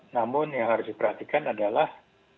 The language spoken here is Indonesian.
namun yang harus diperhatikan adalah